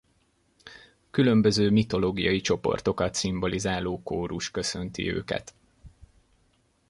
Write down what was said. Különböző mitológiai csoportokat szimbolizáló kórus köszönti őket.